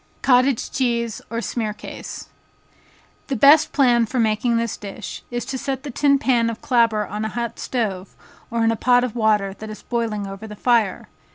Cottage Cheese or Smearcase. The best plan of making this dish, is to set the tin pan of clabber on a hot stove, or in a pot of water that is boiling over the fire.